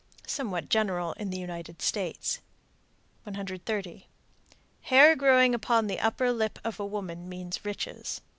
Somewhat general in the United States. 130. Hair growing upon the upper lip of a woman means riches.